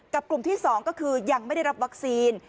กลุ่มที่๒ก็คือยังไม่ได้รับวัคซีน